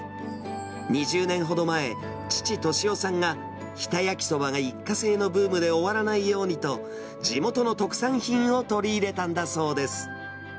２０年ほど前、父、敏男さんが日田やきそばが一過性のブームで終わらないようにと、地元の特産品を取り入れたんだそうです。